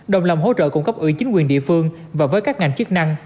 đồng lòng hỗ trợ cung cấp ủy chính quyền địa phương và với các ngành chức năng